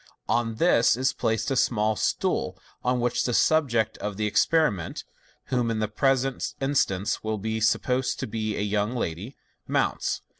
On this is placed a small stool, on which the subject of the experi ment (whom, in the present instance, we will suppose to bs a voung lady) mounts.